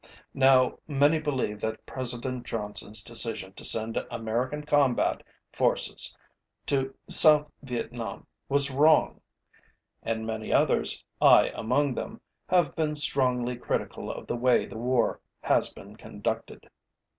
Now many believe that President JohnsonÆs decision to send American combat forces to South Vietnam was wrong. And many others, I among them, have been strongly critical of the way the war has been conducted.